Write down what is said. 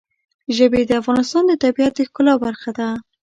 ژبې د افغانستان د طبیعت د ښکلا برخه ده.